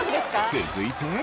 続いて。